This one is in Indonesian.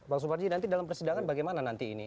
bang suparji nanti dalam persidangan bagaimana nanti ini